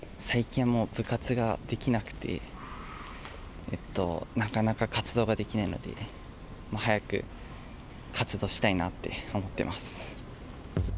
最近はもう、部活ができなくて、なかなか活動ができないので、早く活動したいなって思ってます。